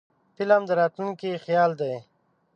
فلم د راتلونکي خیال دی